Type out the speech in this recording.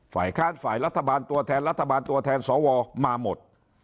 ฝ่ายค้านฝ่ายรัฐบาลตัวแทนรัฐบาลตัวแทนสวมาหมด